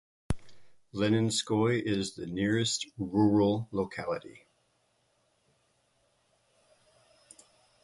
Leninskoye is the nearest rural locality.